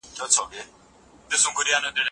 استاد د املا په پای کي له زده کوونکو.